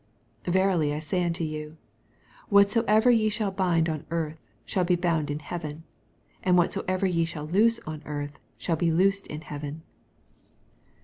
18 Verily I say unto you, Whatso ever ye shall bind on earth shall be bound in heaven : and whatsoever ye shall loose on earth shall be loosed in heaven.